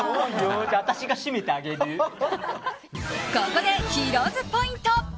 ここでヒロ’ｓポイント。